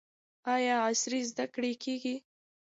آیا عصري زده کړې کیږي؟